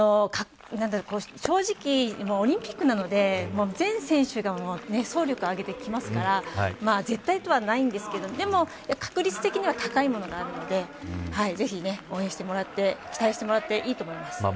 正直、オリンピックなので全選手が総力を挙げてきますから絶対ということはないんですけどでも、確率的には高いものがあるのでぜひ、応援してもらって期待してもらっていいと思います。